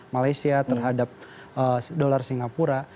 malaysia terhadap dolar singapura